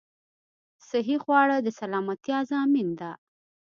صحې خواړه د سلامتيا ضامن ده